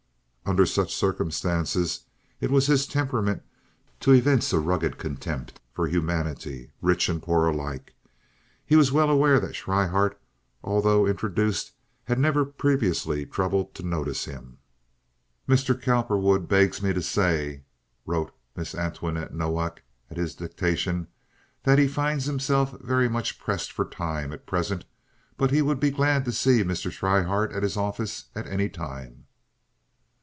Under such circumstances it was his temperament to evince a rugged contempt for humanity, rich and poor alike. He was well aware that Schryhart, although introduced, had never previously troubled to notice him. "Mr. Cowperwood begs me to say," wrote Miss Antoinette Nowak, at his dictation, "that he finds himself very much pressed for time at present, but he would be glad to see Mr. Schryhart at his office at any time."